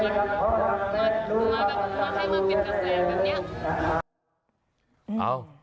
ที่ทำให้มันเก็บขอบคุณสำหรับวิทยาลัยกลัวให้มันเก็บกับแสงแบบนี้